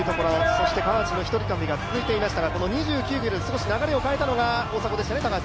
そして川内の１人旅が続いていましたが、２９ｋｍで少し流れを変えたのが大迫でしたね。